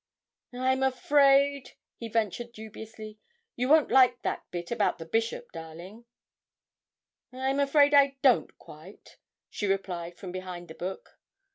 'I'm afraid,' he ventured dubiously, 'you won't quite like that bit about the bishop, darling?' 'I'm afraid I don't quite,' she replied from behind the book.